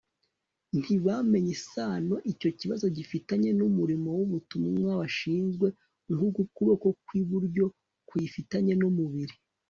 ntibamenye isano icyo kibazo gifitanye n'umurimo w'ubutumwa bashinzwe nk'uko ukuboko kw'iburyo kuyifitanye n'umubiri